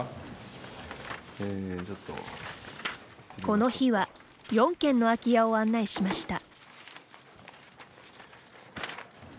この日は４軒の空き家を案内しました。